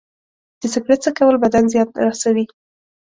د سګرټ څکول بدن زیان رسوي.